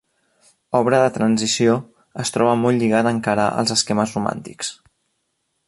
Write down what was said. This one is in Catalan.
Obra de transició, es troba molt lligada encara als esquemes romàntics.